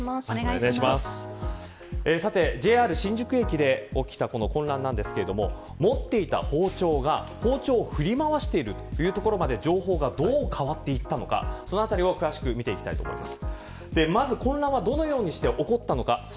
ＪＲ新宿駅で起きた混乱なんですけれども持っていた包丁が振り回しているという情報になるまで、どう情報が変わっていたのかそのあたりを見ていきたいと思います。